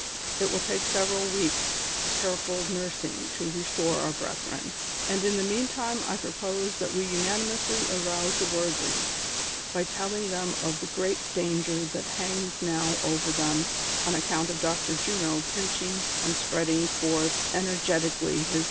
It will take several weeks' careful nursing to restore our brethren, and in the meantime I propose that we unanimously arouse the worldlings, by telling them of the great danger that hangs now over them on account of Dr. Juno preaching and spreading forth energetically his THE CONSPIRATOES AND LOVERS.